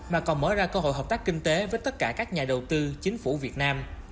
mà còn mở ra cơ hội hợp tác kinh tế với tất cả các nhà đầu tư chính phủ việt nam